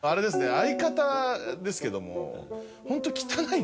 相方ですけども。